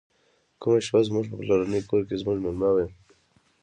کومه شپه زموږ په پلرني کور کې زموږ میلمه و.